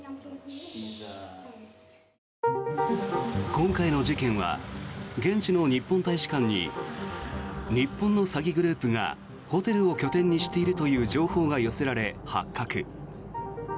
今回の事件は現地の日本大使館に日本の詐欺グループがホテルを拠点にしているという情報が寄せられ、発覚。